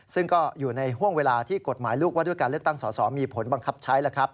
ซึ่งก็อยู่ในห่วงเวลาที่กฎหมายลูกว่าด้วยการเลือกตั้งสอสอมีผลบังคับใช้